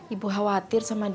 ibu khawatir sama diana